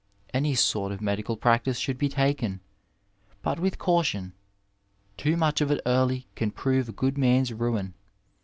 Any sort of medical practice should be taken, but with caution — ^too much of it early may prove a good man's ruin.